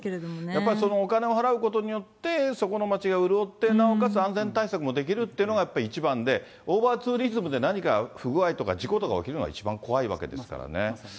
やっぱりそのお金を払うことによって、そこの町が潤ってなおかつ安全対策もできるっていうのが、一番で、オーバーツーリズムで何か不具合とか事故とか起こるのが一番怖いわけですからね。